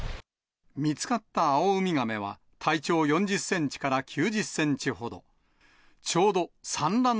見つかったアオウミガメは、体長４０センチから９０センチほど。